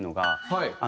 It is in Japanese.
はい。